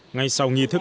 ngay sau nghi thức